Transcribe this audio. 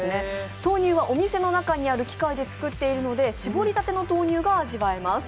豆乳はお店の中にある機械で作っているので、絞りたての豆乳が味わえます。